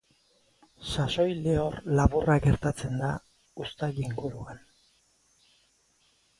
Sasoi lehor laburra gertatzen da uztail inguruan.